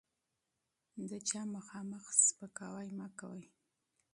د چا په وړاندې سپکاوی مه کوئ.